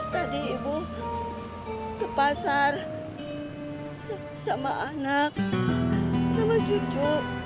tadi ibu ke pasar sama anak sama cucu